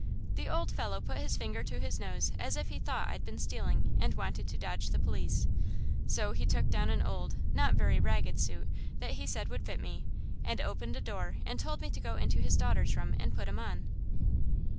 The old fellow put his finger to his nose as if he thought I'd been stealing and wanted to dodge the police. So he took down an old, not very ragged, suit that he said would fit me, and opened a door and told me to go in his daughter's room and put 'em on.